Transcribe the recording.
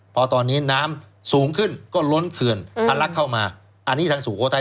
พอตอนนี้น้ำสูงขึ้นก็ล้นเขื่อนทะลักเข้ามาอันนี้ทางสุโขทัย